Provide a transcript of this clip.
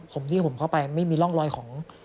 ผมที่ผมเข้าไปไม่มีร่องรอยของ